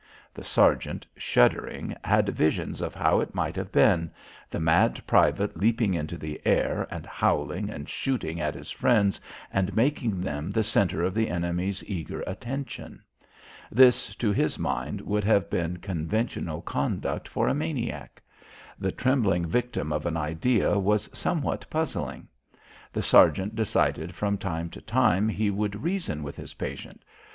The sergeant, shuddering, had visions of how it might have been the mad private leaping into the air and howling and shooting at his friends and making them the centre of the enemy's eager attention. This, to his mind, would have been conventional conduct for a maniac. The trembling victim of an idea was somewhat puzzling. The sergeant decided that from time to time he would reason with his patient.